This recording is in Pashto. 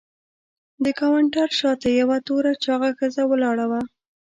د کاونټر شاته یوه توره چاغه ښځه ولاړه وه.